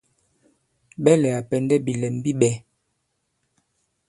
Ɓɛlɛ̀ à pɛ̀ndɛ bìlɛm bi ɓɛ̄.